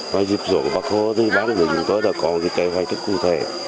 và dịp dụng vào khu di tích ban quản lý khu di tích kim liên có kế hoạch thức cụ thể